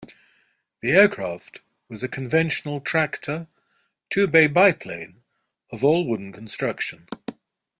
The aircraft was a conventional tractor two bay biplane of all-wooden construction.